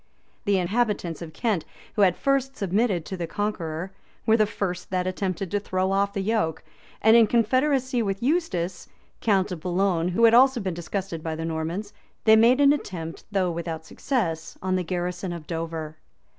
The inhabitants of Kent, who had first submitted to the conqueror, were the first that attempted to throw off the yoke; and in confederacy with Eustace, count of Boulogne, who had also been disgusted by the Normans, they made an attempt, though without success, on the garrison of Dover.